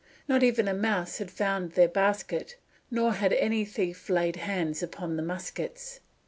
Not even a mouse had found their basket, nor had any thief laid hands upon the muskets.